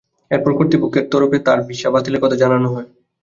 এরপর কর্তৃপক্ষের তরফে তাঁর ভিসা বাতিলের কথা জানানো হয়।